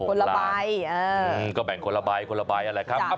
คนละใบก็แบ่งคนละใบคนละใบนั่นแหละครับ